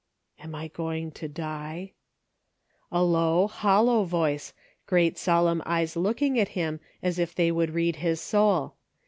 " Am I going to die .'" A low, hollow voice, great solemn eyes looking at him as if they would read his soul.